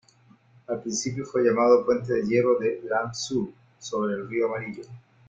Al principio fue llamado "Puente de Hierro de Lanzhou sobre el Río Amarillo".